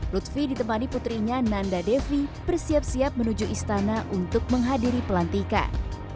lutfi ditemani putrinya nanda devi bersiap siap menuju istana untuk menghadiri pelantikan